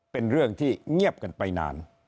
เป็นเรื่องที่เงียบกันไปนาน